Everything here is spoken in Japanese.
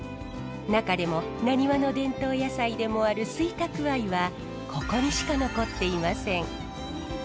中でもなにわの伝統野菜でもある吹田くわいはここにしか残っていません。